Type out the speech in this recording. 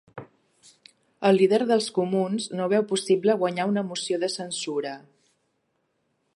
La líder dels Comuns no veu possible guanyar una moció de censura